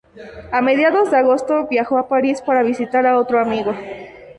A mediados de agosto viajó a París para visitar a otro amigo.